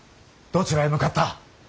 どちらへ向かった。